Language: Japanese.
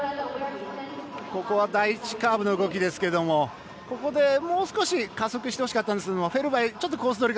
第１カーブの動きですけどもう少し加速してほしかったですがフェルバイ、ちょっとコース